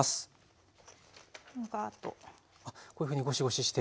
こういうふうにゴシゴシして。